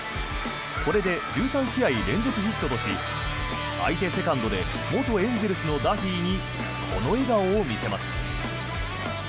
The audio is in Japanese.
これで１３試合連続ヒットとし相手セカンドで元エンゼルスのダフィーにこの笑顔を見せます。